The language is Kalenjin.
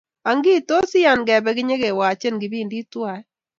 ang'ii tos iyan kebee nyekewachen kipindit tuwai